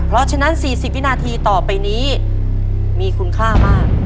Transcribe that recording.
เพราะฉะนั้น๔๐วินาทีต่อไปนี้มีคุณค่ามาก